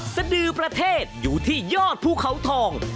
สดือประเทศอยู่ที่ยอดภูเขาทอง